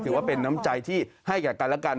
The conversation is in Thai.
ถือว่าเป็นน้ำใจที่ให้กับกันและกัน